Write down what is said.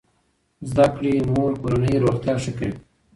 زده کړې مور کورنۍ روغتیا ښه کوي.